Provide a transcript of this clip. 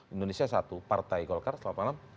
indonesia satu partai golkar selamat malam